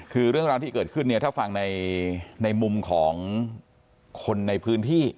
คือเรื่องราวที่เกิดขึ้นเนี่ยถ้าฟังในมุมของคนในพื้นที่